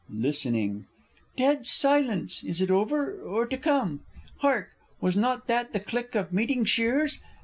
(Listening.) Dead silence! ... is it over or, to come? Hark! was not that the click of meeting shears?...